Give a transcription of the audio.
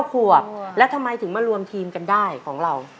ขวบแล้วทำไมถึงมารวมทีมกันได้ของเรา